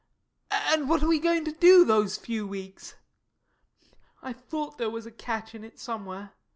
And what are we going to do, those few weeks? I thought there was a catch in it, somewhere.